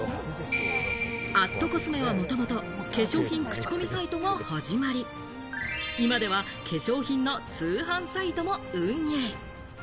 アットコスメはもともと化粧品口コミサイトが始まり、今では化粧品の通販サイトも運営。